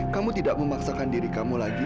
kamu tidak memaksakan diri kamu lagi